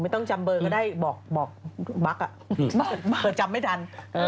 ไม่ต้องจำเบอร์ก็ได้บอกบั๊กอ่ะเดี๋ยวจำไม่ทัน